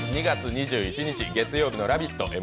２月２１日、月曜日の「ラヴィット！」